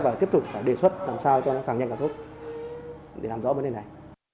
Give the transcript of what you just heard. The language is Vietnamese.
và tiếp tục đề xuất làm sao cho nó càng nhanh càng sốt để làm rõ vấn đề này